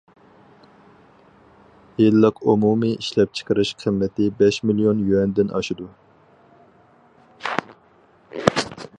يىللىق ئومۇمىي ئىشلەپچىقىرىش قىممىتى بەش مىليون يۈەندىن ئاشىدۇ.